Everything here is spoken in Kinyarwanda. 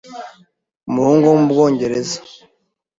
Umuhungu wo mu Bwongereza